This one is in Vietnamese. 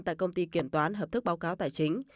tại công ty kiểm toán hợp thức báo cáo tài chính